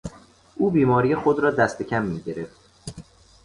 او بیماری خود را دست کم می گرفت.